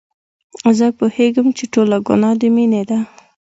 زه پوهېږم چې ټوله ګناه د مينې ده.